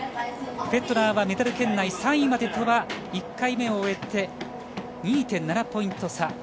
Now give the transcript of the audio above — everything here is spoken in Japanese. フェットナーはメダル圏内３位までとは１回目を終えて２．７ポイント差。